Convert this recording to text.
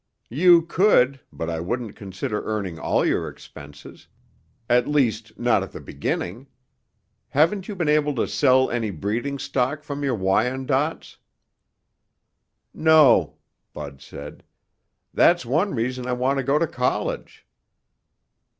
"You could, but I wouldn't consider earning all your expenses. At least, not at the beginning. Haven't you been able to sell any breeding stock from your Wyandottes?" "No," Bud said. "That's one reason I want to go to college."